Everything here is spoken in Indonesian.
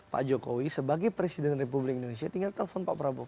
pak jokowi sebagai presiden republik indonesia tinggal telpon pak prabowo